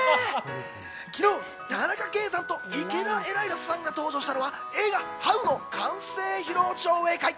昨日、田中圭さんと池田エライザさんが登場したのは映画『ハウ』の完成披露上映会。